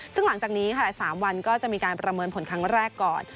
ซึ่งหลังจากนี้ค่ะ๓วันก็จะมีการประเมินผลครั้งแรกก่อน